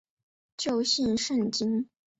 旧姓胜津。